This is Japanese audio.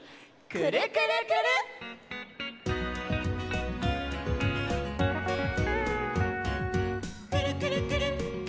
「くるくるくるっくるくるくるっ」